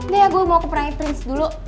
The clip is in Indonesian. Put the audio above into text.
nih ya gue mau ke prince dulu